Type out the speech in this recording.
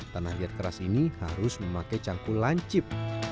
tanah liat keras ini harus memakai cangkul lancip